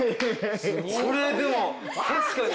これでも確かに。